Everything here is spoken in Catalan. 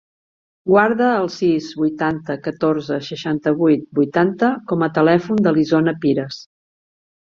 Guarda el sis, vuitanta, catorze, seixanta-vuit, vuitanta com a telèfon de l'Isona Pires.